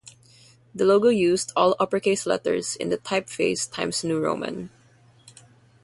The logo used all upper-case letters in the typeface Times New Roman.